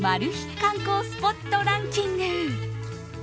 観光スポットランキング。